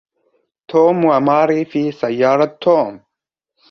توم وماري في سيارة توم.